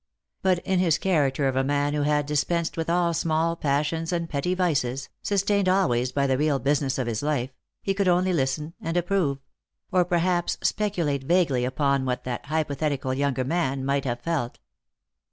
But in his character of a man who had dispensed with all small passions and petty vices, sustained always by the real business of his life, he could only listen and approve ; or perhaps speculate vaguely upon what that hypothetical younger man might have felt.